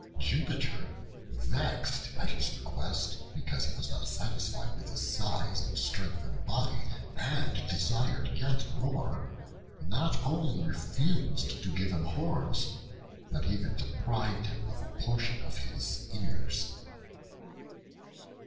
Jupiter, vexed at his request because he was not satisfied with his size and strength of body, and desired yet more, not only refused to give him horns, but even deprived him of a portion of his ears.